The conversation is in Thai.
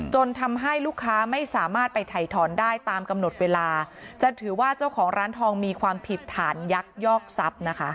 จนทำให้ลูกค้าไม่สามารถไปถ่ายถอนได้ตามกำหนดเวลาจะถือว่าเจ้าของร้านทองมีความผิดฐานยักยอกทรัพย์นะคะ